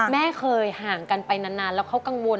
แม่เคยห่างกันไปนานแล้วเขากังวล